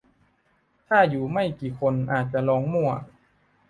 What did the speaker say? ถ้าอยู่ไม่กี่คนอาจจะลองมั่ว